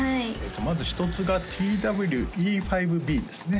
まず一つがＴＷ−Ｅ５Ｂですね